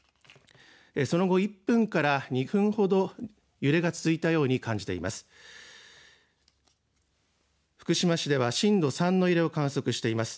その後、１分から２分ほど揺れが続いたように感じています。